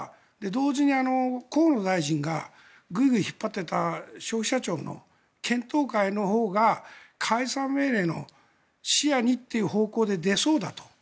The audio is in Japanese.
同時に河野大臣がぐいぐい引っ張っていた消費者庁の検討会のほうが解散命令の視野にっていう方向で出そうだと。